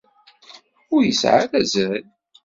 Ur isεi ara azal.